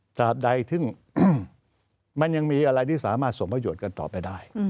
ตราบใดซึ่งมันยังมีอะไรที่สามารถสมประโยชน์กันต่อไปได้